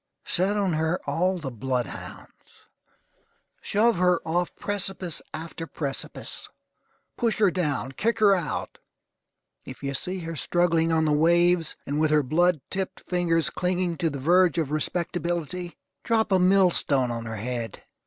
Set on her all the blood hounds. Shove her off precipice after precipice. Push her down. Kick her out! If you see her struggling on the waves, and with her blood tipped fingers clinging to the verge of respectability, drop a mill stone on her head.